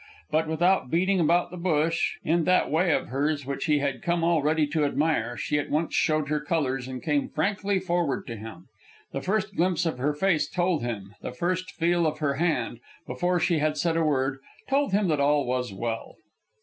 But without beating about the bush, in that way of hers which he had come already to admire, she at once showed her colors and came frankly forward to him. The first glimpse of her face told him, the first feel of her hand, before she had said a word, told him that all was well.